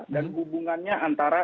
dan hubungannya antara